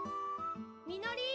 ・みのりー！